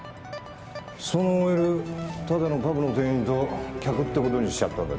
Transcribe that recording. そのＯＬただのパブの店員と客ってことにしちゃったんだって？